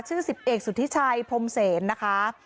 ชื่อสิบเอกสุธิชัยพรหมเสนนะคะ